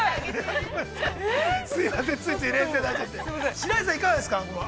白石さん、いかがですか。